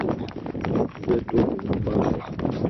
Зэ, догуэ, умыпӏащӏэ!